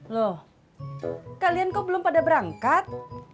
loh kalian kau belum pada berangkat